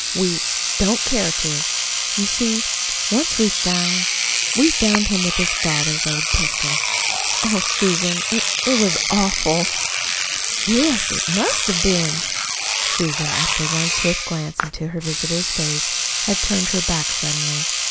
"We don't dare to. You see, once we found we found him with his father's old pistol. Oh, Susan, it it was awful!" "Yes, it must have been." Susan, after one swift glance into her visitor's face, had turned her back suddenly.